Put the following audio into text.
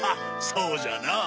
そうじゃな。